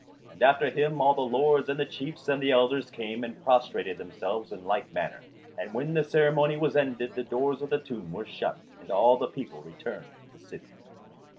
After him all the lords and the chiefs and the elders came and prostrated themselves in like manner; and when the ceremony was ended the doors of the tomb were shut and all the people returned to the city.